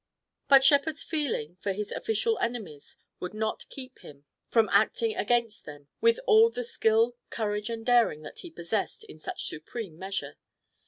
But Shepard's feeling for his official enemies would not keep him from acting against them with all the skill, courage and daring that he possessed in such supreme measure.